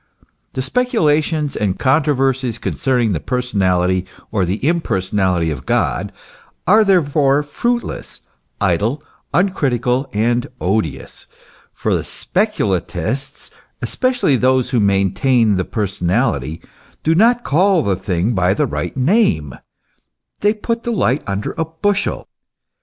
The speculations and controversies concerning the personality or impersonality of God are therefore fruitless, idle, uncritical, and odious; for the speculatists, especially those who maintain the person ality, do not call the thing by the right name ; they put the light under a bushel.